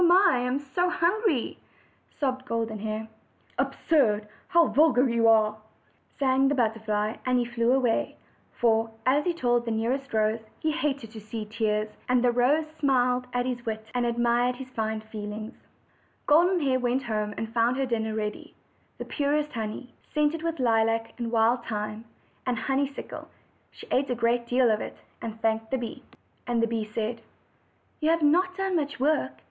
I am so hungry!" sobbed Golden Hair. "Absurd! How vulgar you are!" sang the butterfly, and he flew away; for, as he told the nearest rose, he hated to see tears; and the rose smiled at his wit, and admired his fine feelings. Golden Hair went home and found her dinner ready the purest honey, scented with lilac, and wild thyme, and honeysuckles, and she ate a great deal of it, and thanked the bee. And the bee said: "You have not done much work.